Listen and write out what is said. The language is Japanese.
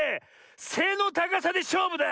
せのたかさでしょうぶだ！